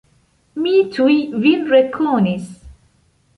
Mi tuj vin rekonis.